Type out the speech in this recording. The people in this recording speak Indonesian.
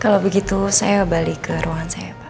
kalau begitu saya balik ke ruangan saya pak